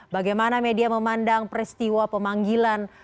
bagaimana media memandang peristiwa pemanggilan